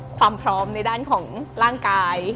ความพร้อมในด้านของร่างกาย